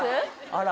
あら？